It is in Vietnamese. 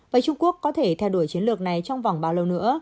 vậy trung quốc có thể theo đuổi chiến lược này trong vòng bao lâu nữa